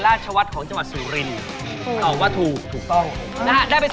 ทีมของน้องต้นนะครับ